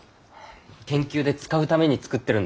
研究で使うために作ってるんだよ。